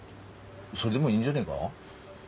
それでもいいんじゃねえが？